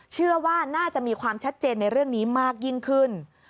เชื่อว่าน่าจะมีความชัดเจนในเรื่องนี้มากยิ่งขึ้น